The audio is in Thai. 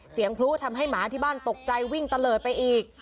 เสียงพลุทำให้หมาที่บ้านตกใจวิ่งเตลอดไปอีก